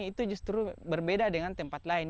itu justru berbeda dengan tempat lain